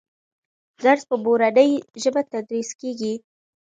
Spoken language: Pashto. درس په مورنۍ ژبه تدریس کېږي.